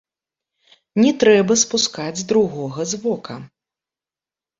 Не трэба спускаць другога з вока.